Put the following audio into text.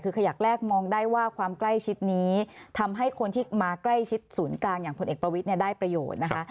คือขยักแรกมองได้ว่าความใกล้ชิดนี้ทำให้คนที่มาใกล้ชิดศูนย์กลางอย่างพลเอกประวิทย์ได้ประโยชน์นะคะ